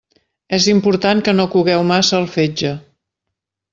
És important que no cogueu massa el fetge.